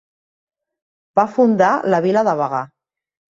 Va fundar la vila de Bagà.